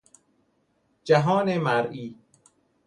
جهان مرئی